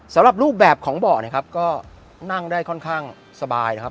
สำหรับรูปแบบของเบาะนะครับก็นั่งได้ค่อนข้างสบายนะครับ